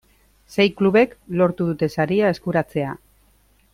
Sei klubek lortu dute saria eskuratzea.